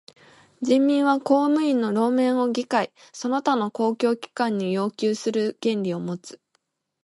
人民は公務員の罷免を議会その他の公共機関に要求する権利をもつ。